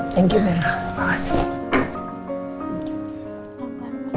apakah mbak bapak sudah there